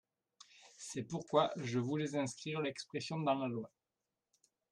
C’est pourquoi je voulais inscrire l’expression dans la loi.